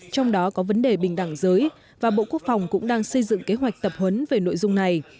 trong đó có vấn đề bình đẳng giới và bộ quốc phòng cũng đang xây dựng kế hoạch tập huấn về nội dung này